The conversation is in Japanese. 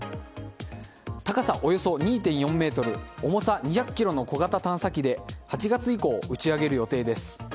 高さおよそ２．４ｍ重さ２００ｋｇの小型探査機で８月以降、打ち上げる予定です。